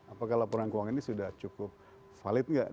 apakah laporan keuangan ini sudah cukup valid nggak